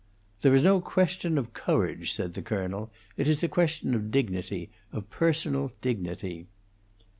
"There is no question of courage," said the colonel. "It is a question of dignity of personal dignity."